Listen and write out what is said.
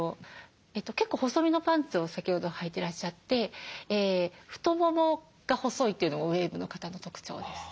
結構細みのパンツを先ほどはいてらっしゃって太ももが細いというのもウエーブの方の特徴です。